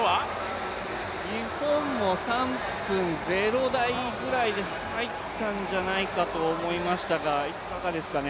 日本も３分０台ぐらいで入ったんじゃないかと思いましたが、いかがですかね。